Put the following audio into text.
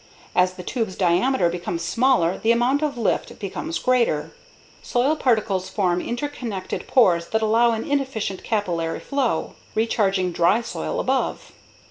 As the tube's diameter becomes smaller the amount of lift becomes greater. Soil particles form interconnected pores that allow an inefficient capillary flow, recharging dry soil above.